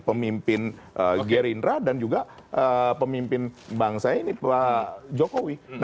pemimpin gerindra dan juga pemimpin bangsa ini pak jokowi